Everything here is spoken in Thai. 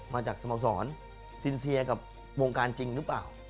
มาจากสโมสรสินเซียกับวงการจริงหรือเปล่า